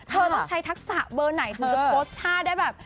ใครทักษะเบอร์ไหนถึงจะโฟสท่าได้แบบ